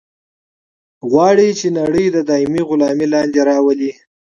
غواړي چې نړۍ د دایمي غلامي لاندې راولي.